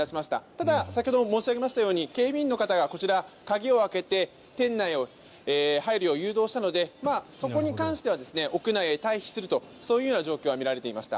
ただ、先ほど申し上げましたように警備員の方が鍵を開けて店内に入るよう誘導したのでそこに関しては屋内へ退避するという状況は見られました。